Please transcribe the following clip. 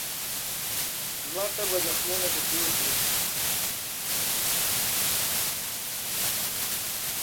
لمر به زخمونه ټکور کړي.